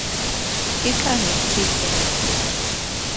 Itlaj nikchijtok